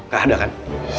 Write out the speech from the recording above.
gak ada kan